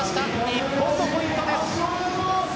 日本のポイントです。